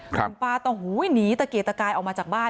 คุณป้าต้องหนีตะเกียกตะกายออกมาจากบ้าน